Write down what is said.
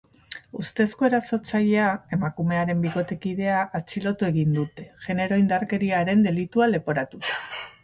Ustezko erasotzailea, emakumearen bikotekidea, atxilotu egin dute, genero-indarkeriaren delitua leporatuta.